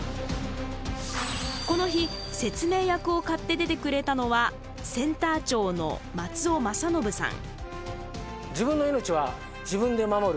この日説明役を買って出てくれたのはセンター長の松尾政信さん。